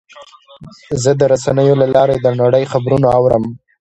زه د رسنیو له لارې د نړۍ خبرونه اورم.